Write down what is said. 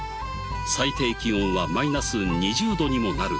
最低気温はマイナス２０度にもなるため。